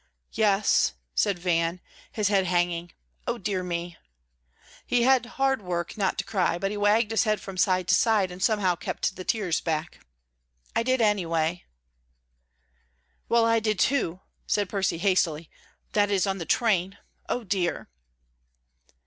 "Yes," said Van, his head hanging. "O dear me," he had hard work not to cry, but he wagged his head from side to side, and somehow kept the tears back, "I did, anyway." "Well, I did, too," said Percy, hastily; "that is, on the train. O dear!"